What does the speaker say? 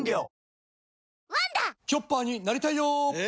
チョッパーになりたいよえ？